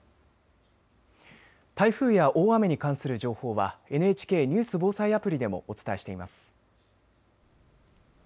台風や大雨に関する情報はＮＨＫニュース・防災アプリでもお伝えしています。